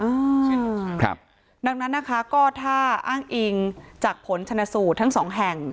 อืมครับดังนั้นนะคะก็ถ้าอ้างอิงจากผลชนสูตรทั้งสองแห่ง